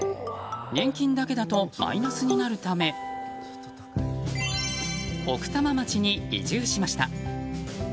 年金だけだとマイナスになるため奥多摩町に移住しました。